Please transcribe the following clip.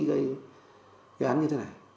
cái án như thế này